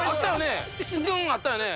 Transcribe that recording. あったよね。